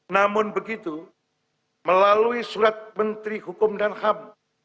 namun begitu melalui surat menteri hukum dan ham